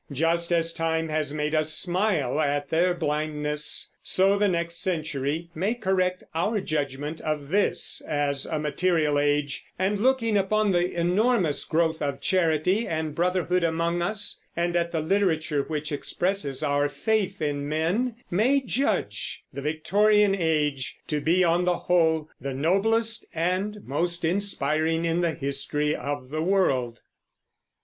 Just as time has made us smile at their blindness, so the next century may correct our judgment of this as a material age, and looking upon the enormous growth of charity and brotherhood among us, and at the literature which expresses our faith in men, may judge the Victorian Age to be, on the whole, the noblest and most inspiring in the history of the world.